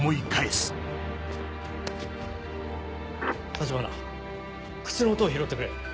橘靴の音を拾ってくれ。